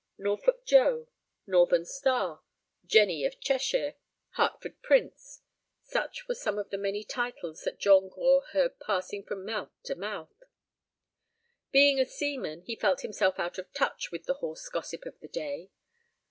"Norfolk Joe," "Northern Star," "Jenny of Cheshire," "Hertford Prince"—such were some of the many titles that John Gore heard passing from mouth to mouth. Being a seaman, he felt himself out of touch with the "horse gossip" of the day.